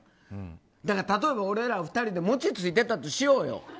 だから例えば俺ら２人で餅ついてたとしようよ。